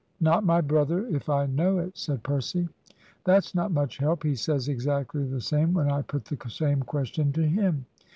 "Not my brother, if I know it," said Percy. "That's not much help. He says exactly the same when I put the same question to him."